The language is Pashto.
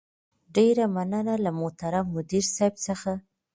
ډېره مننه له محترم مدير صيب څخه